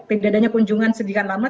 tidak adanya kunjungan sekian lama